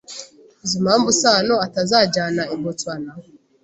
Uzi impamvu Sano atazajyana i Boston?